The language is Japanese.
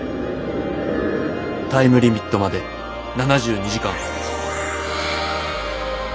タイムリミットまで７２時間。